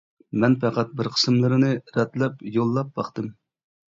مەن پەقەت بىر قىسىملىرىنى رەتلەپ يوللاپ باقتىم.